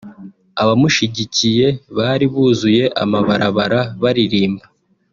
Abamushigikiye bari buzuye amabarabara baririmba